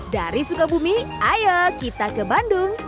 dari sukabumi ayo kita ke bandung